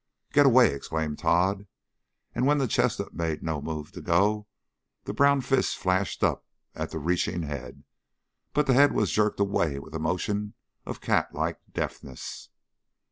"Git away!" exclaimed Tod, and when the chestnut made no move to go, the brown fist flashed up at the reaching head. But the head was jerked away with a motion of catlike deftness.